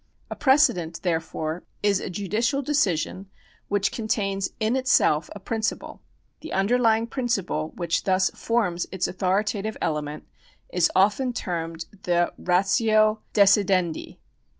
A precedent, therefore, is a judicial decision which con tains in itself a principle. The underlying principle which thus forms its authoritative element is often termed the ratio decidendi.